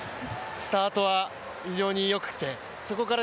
スタートは非常によくてそこから